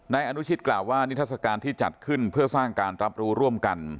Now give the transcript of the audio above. นายอนุชิตกล่าวว่านิทัศกาลที่จัดขึ้นเพื่อสร้างการรับรู้ร่วมกัน